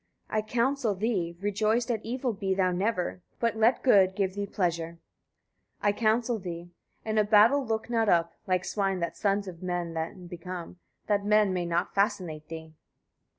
130. I counsel thee, etc. Rejoiced at evil be thou never; but let good give thee pleasure. 131. I counsel thee, etc. In a battle look not up, (like swine the sons of men then become) that men may not fascinate thee.